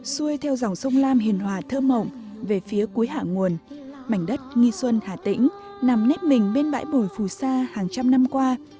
xuôi theo dòng sông lam hiền hòa thơm mộng về phía cuối hạ nguồn mảnh đất nghi xuân hà tĩnh nằm nếp mình bên bãi bồi phù sa hàng trăm năm qua